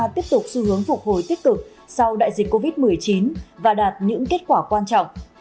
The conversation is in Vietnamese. tiếp tục xu hướng phục hồi tích cực sau đại dịch covid một mươi chín và đạt những kết quả quan trọng